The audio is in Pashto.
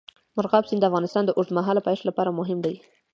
مورغاب سیند د افغانستان د اوږدمهاله پایښت لپاره مهم دی.